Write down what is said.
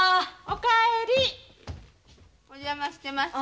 お邪魔してます。